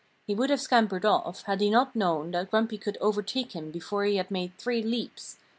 He would have scampered off, had he not known that Grumpy could overtake him before he had made three leaps.